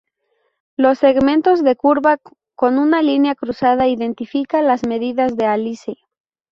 Los segmentos de curva con una línea cruzada identifica las medidas de Alice.